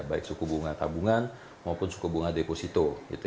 baik suku bunga tabungan maupun suku bunga deposito